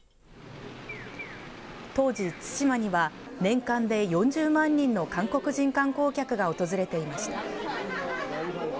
当時、対馬には年間で４０万人の韓国人観光客が訪れていました。